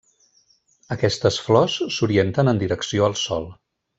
Aquestes flors s'orienten en direcció al Sol.